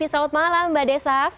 selamat malam mbak desaf